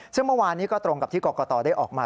ซึ่งเมื่อวานนี้ก็ตรงกับที่กรกตได้ออกมา